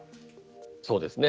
そうですね。